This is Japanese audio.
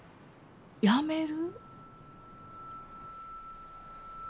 やめる？